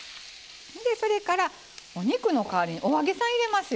それからお肉の代わりにお揚げさん入れますよ。